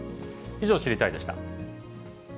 以上、知りたいッ！でした。